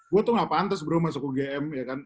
gue tuh gak pantas bro masuk ugm ya kan